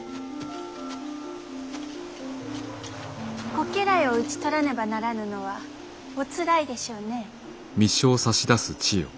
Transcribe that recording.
ご家来を討ち取らねばならぬのはおつらいでしょうね。